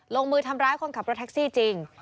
ลงมือทำร้ายคนขับรถแท็กซี่จริง